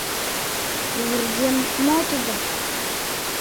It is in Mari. Вургем — мо тудо?